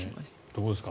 どうですか。